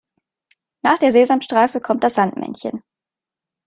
Nach der Sesamstraße kommt das Sandmännchen.